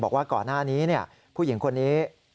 บอกว่าก่อนหน้านี้ผู้หญิงคนนี้